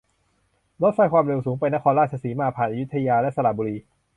รถไฟความเร็วสูงไปนครราชสีมา ผ่านอยุธยาและสระบุรี